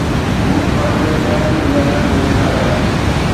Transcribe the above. Route permit سياسي بنيادن تي ڏنا ويا.